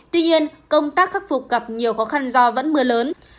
tuy nhiên công tác khắc phục gặp nhiều khó khăn do vẫn mưa lớn